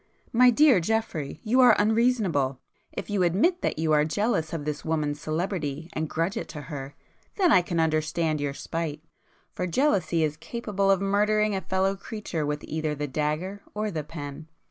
My dear Geoffrey, you are unreasonable. If you admit that you are jealous of this woman's celebrity and grudge it to her, then I can understand your spite, for jealousy [p 184] is capable of murdering a fellow creature with either the dagger or the pen."